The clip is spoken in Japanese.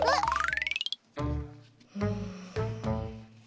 うん。